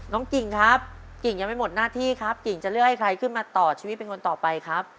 กิ่งครับกิ่งยังไม่หมดหน้าที่ครับกิ่งจะเลือกให้ใครขึ้นมาต่อชีวิตเป็นคนต่อไปครับ